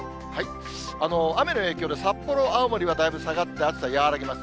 雨の影響で札幌、青森はだいぶ下がって、暑さ、和らぎます。